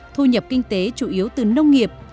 thu nhập kinh tế chủ yếu từ nông nghiệp